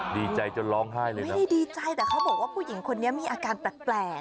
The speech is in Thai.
ดีใจจนร้องไห้เลยนะดีใจแต่เขาบอกว่าผู้หญิงคนนี้มีอาการแปลก